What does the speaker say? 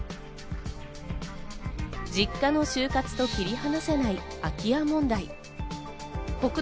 実家の終活と切り離せない空き家問題。